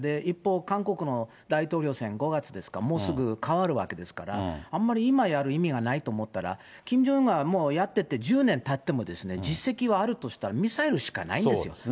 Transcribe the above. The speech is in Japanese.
一方、韓国の大統領選、５月ですから、もうすぐ代わるわけですから、あんまり今やる意味がないと思ったら、キム・ジョンウンがやってて１０年たっても実績はあるとしたら、ミサイルしかないんですよ。